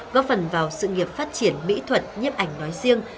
góp phần vào sự nghiệp phát triển mỹ thuật nhếp ảnh nói riêng